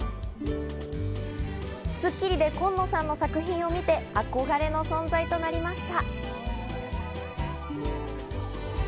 『スッキリ』でコンノさんの作品を見て憧れの存在となりました。